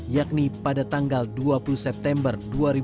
yakni pada tanggal dua puluh september dua ribu dua puluh